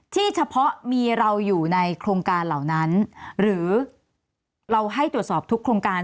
เฉพาะมีเราอยู่ในโครงการเหล่านั้นหรือเราให้ตรวจสอบทุกโครงการ